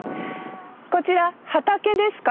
こちら畑ですか？